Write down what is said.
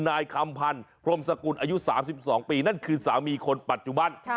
นายคำพันธ์พรมสกุลอายุ๓๒ปีนั่นคือสามีคนปัจจุบัน